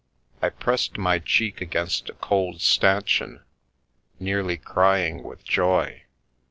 I pressed my cheek against a cold stanchion, nearly crying with joy.